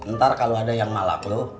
ntar kalau ada yang malak loh